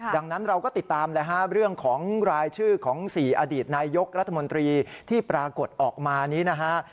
ดังนั้นเราก็ติดตามเลยฮะเรื่องของรายชื่อของ๔อดีตนายยกรัฐมนตรีที่ปรากฏออกมานี้นะฮะ